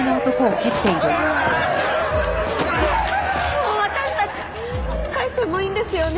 もう私たち帰ってもいいんですよね？